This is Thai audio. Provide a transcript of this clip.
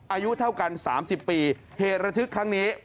อายุเท่ากัน๓๐ปีเหตุระทึกครั้งนี้